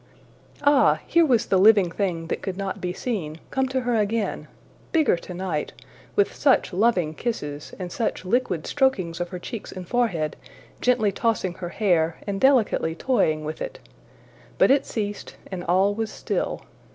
Ah! here was the living thing that could not be seen, come to her again bigger tonight! with such loving kisses, and such liquid strokings of her cheeks and forehead, gently tossing her hair, and delicately toying with it! But it ceased, and all was still.